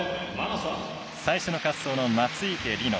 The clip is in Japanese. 最初の滑走の松生理乃。